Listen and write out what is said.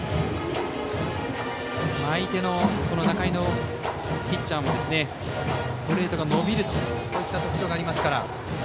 仲井、ピッチャーもストレートが伸びるという特徴がありますから。